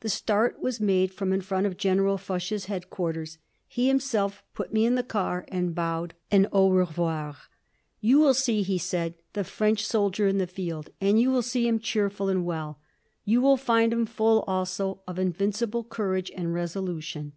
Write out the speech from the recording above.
The start was made from in front of General Foch's headquarters. He himself put me in the car, and bowed an au revoir. "You will see," he said, "the French soldier in the field, and you will see him cheerful and well. You will find him full also of invincible courage and resolution."